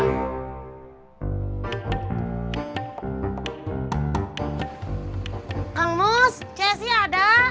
kang mus ceci ada